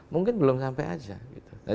mungkin belum sampai aja